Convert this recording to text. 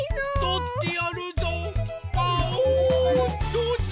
どうぞ！